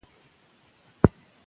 د حسد ختمول د انسان شخصیت لوړوي.